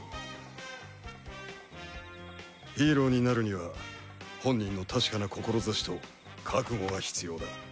ヒーローになるには本人の確かな志と覚悟が必要だ。